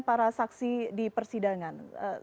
para saksi di persidangan